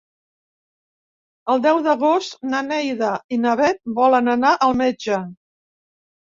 El deu d'agost na Neida i na Bet volen anar al metge.